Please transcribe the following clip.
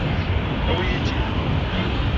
Awi-yi-tt-id.